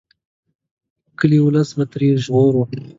کلي ولس به ترې ژغوري.